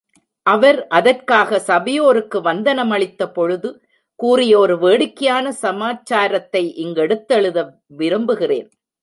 அவர் அதற்காக சபையோருக்கு வந்தனம் அளித்த பொழுது கூறிய ஒரு வேடிக்கையான சமாச்சாரத்தை இங்கெடுத்தெழுத விரும்புகிறேன்.